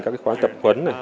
các cái khoá tập huấn